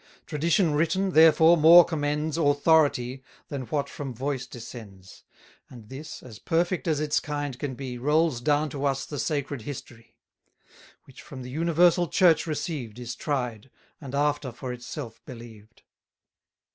Tradition written, therefore, more commends 350 Authority, than what from voice descends: And this, as perfect as its kind can be, Rolls down to us the sacred history: Which from the Universal Church received, Is tried, and after for itself believed.